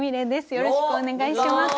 よろしくお願いします。